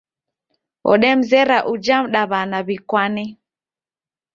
Odemzera uja mdaw'ana w'ikwane